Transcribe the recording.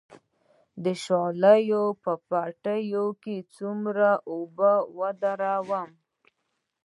د شالیو په پټي کې څومره اوبه ودروم؟